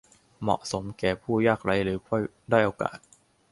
เหมาะสมแก่ผู้ยากไร้หรือผู้ด้อยโอกาส